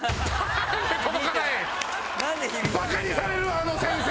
あの先生。